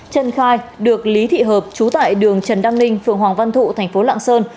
trân khai được lý thị hợp trú tại đường trần đăng ninh phường hoàng văn thụ thành phố lạng sơn